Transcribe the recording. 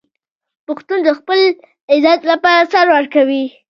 پښتون د خپل عزت لپاره سر ورکوي.